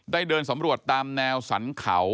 เดินสำรวจตามแนวสรรเขา